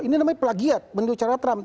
ini namanya plagiat menuju cara trump